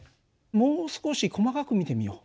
もう少し細かく見てみよう。